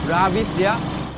udah abis dia